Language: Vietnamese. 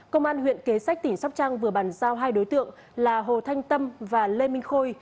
công an huyện kế sách tỉnh sóc trăng vừa bàn giao hai đối tượng là hồ thanh tâm và lê minh khôi